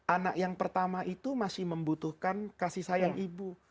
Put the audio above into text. anak yang pertama itu masih membutuhkan kasih sayang ibu